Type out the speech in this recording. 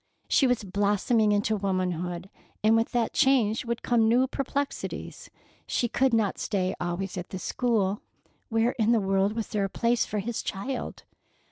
She was blossoming into womanhood, and with that change would come new perplexities. She could not stay always at the school. Where in the world was there a place for his child?